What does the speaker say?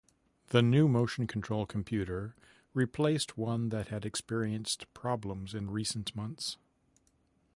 The new motion control computer replaced one that had experienced problems in recent months.